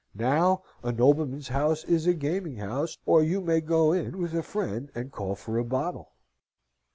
Now, a nobleman's house is a gaming house, or you may go in with a friend and call for a bottle."